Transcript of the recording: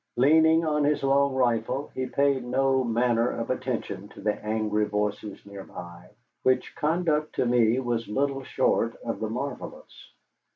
Leaning on his long rifle, he paid no manner of attention to the angry voices near by, which conduct to me was little short of the marvellous.